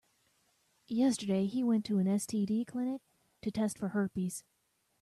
Yesterday, he went to an STD clinic to test for herpes.